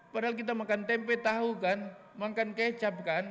padahal kita makan tempe tahu kan makan kecap kan